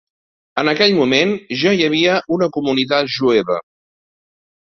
En aquell moment, ja hi havia una comunitat jueva.